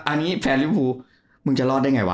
อันนี้แพรนบุะมึงจะรอดได้ยังไงวะ